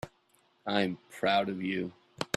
I'm proud of you.